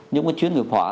nhưng mà chuyên nghiệp họa